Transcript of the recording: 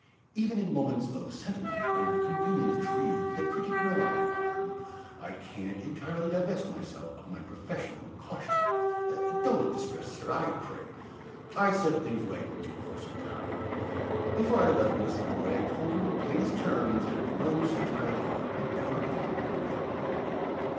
"Even in moments of sentiment, under convenient trees, with a pretty girl on my arm, I can't entirely divest myself of my professional caution. Don't look distressed, sir, pray! I set things right in due course of time. Before I left Miss Milroy, I told her, in the plainest terms, no such idea had ever entered your head."